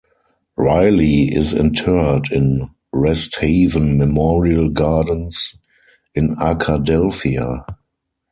Riley is interred in Rest Haven Memorial Gardens in Arkadelphia.